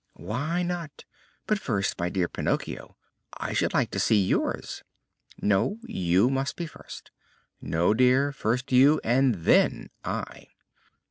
"Why not? But first, my dear Pinocchio, I should like to see yours." "No: you must be first." "No, dear. First you and then I!"